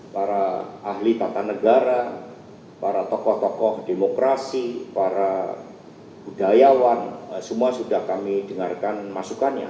para ahli tata negara para tokoh tokoh demokrasi para budayawan semua sudah kami dengarkan masukannya